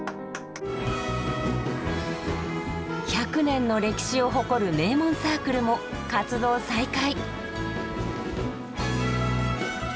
１００年の歴史を誇る名門サークルも活動再開！